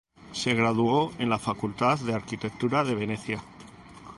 Se graduó en la facultad de arquitectura de Venecia.